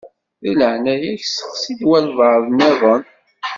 Di leɛnaya-k steqsi walebɛaḍ-nniḍen.